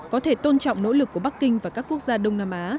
có thể tôn trọng nỗ lực của bắc kinh và các quốc gia đông nam á